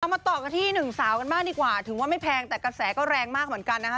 มาต่อกันที่หนึ่งสาวกันบ้างดีกว่าถึงว่าไม่แพงแต่กระแสก็แรงมากเหมือนกันนะคะ